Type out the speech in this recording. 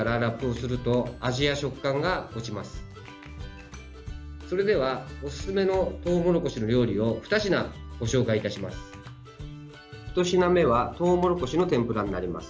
それでは、おすすめのトウモロコシの料理を２品ご紹介いたします。